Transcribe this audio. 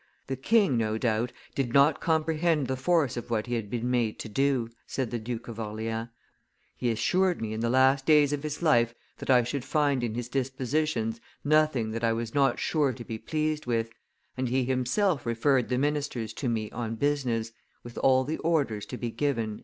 "The king, no doubt, did not comprehend the force of what he had been made to do," said the Duke of Orleans; "he assured me in the last days of his life that I should find in his dispositions nothing that I was not sure to be pleased with, and he himself referred the ministers to me on business, with all the orders to be given."